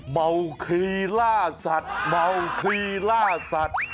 เมาครีล่าสัตว์